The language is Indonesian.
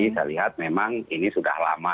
saya lihat memang ini sudah lama